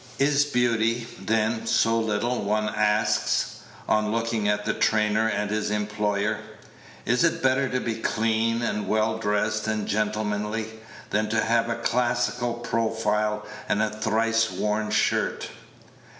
Is beauty, then, so little, one asks, on looking at the trainer and his employer? Is it better to be clean, and well dressed, and gentlemanly, than to have a classical profile and a thrice worn shirt?